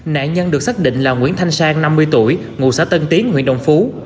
nạn nhân được xác định là nguyễn thanh sang năm mươi tuổi ngụ xã tân tiến huyện đồng phú